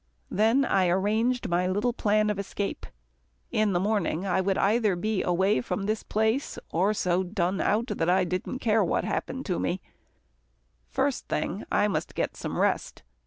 Then I arranged my little plan of escape. In the morning, I would either be away from this place, or so done out that I didn't care what happened to me. First thing I must get some rest.